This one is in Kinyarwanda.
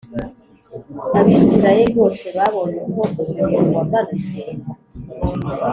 “abisirayeli bose babonye uko umuriro wamanutse,